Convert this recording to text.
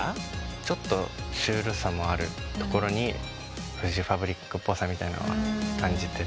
ちょっとシュールさもあるところにフジファブリックっぽさみたいのを感じてて。